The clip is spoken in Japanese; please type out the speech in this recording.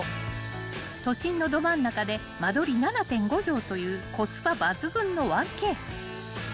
［都心のど真ん中で間取り７．５畳というコスパ抜群の１Ｋ］